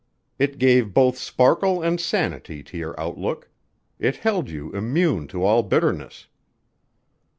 It gave both sparkle and sanity to your outlook. It held you immune to all bitterness."